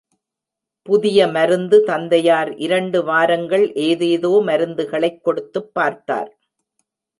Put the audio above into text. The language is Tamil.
புதிய மருந்து தந்தையார் இரண்டு வாரங்கள் ஏதேதோ மருந்துகளைக் கொடுத்துப் பார்த்தார்.